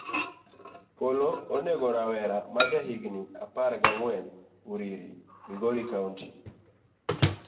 Polo onego rawera maja higni apar gi ang'wen uriri, migori kaunti.